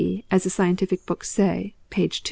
as the scientific books say, p. 2).